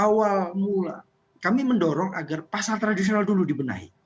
awal mula kami mendorong agar pasar tradisional dulu dibenahi